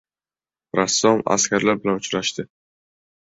Rassom askarlar bilan uchrashdi